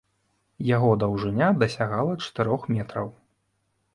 Яго даўжыня дасягала чатырох метраў.